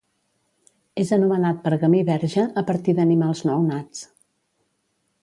És anomenat pergamí verge, a partir d'animals nounats.